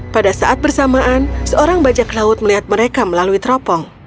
pada saat bersamaan seorang bajak laut melihat mereka melalui teropong